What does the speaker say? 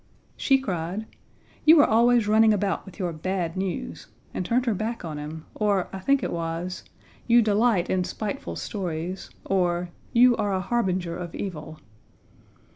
She cried: "You are always running about with your bad news," and turned her back on him; or, I think it was, "You delight in spiteful stories," or, "You are a harbinger of evil."